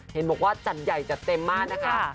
เห็นบอกว่าจัดใหญ่จัดเต็มมากนะคะ